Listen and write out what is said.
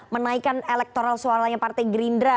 menaikkan elektoral suaranya partai gerindra